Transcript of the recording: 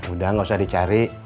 udah gak usah dicari